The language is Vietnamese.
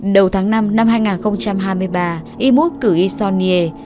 đầu tháng năm năm hai nghìn hai mươi ba i một cử ý son nghê